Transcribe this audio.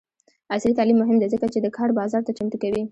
عصري تعلیم مهم دی ځکه چې د کار بازار ته چمتو کوي.